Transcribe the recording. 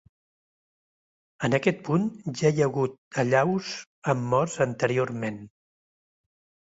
En aquest punt ja hi ha hagut allaus amb morts anteriorment.